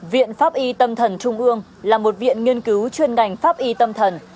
viện pháp y tâm thần trung ương là một viện nghiên cứu chuyên ngành pháp y tâm thần